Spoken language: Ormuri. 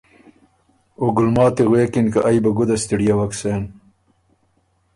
او ګلماتی غوېکِن که ائ بُو ګده ستِړيېوک سېن،